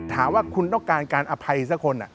ถามว่าคุณต้องการการอภัยสักคน